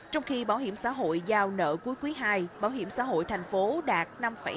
trong khi bảo hiểm xã hội giao nợ cuối quý ii bảo hiểm xã hội thành phố đạt năm hai mươi bảy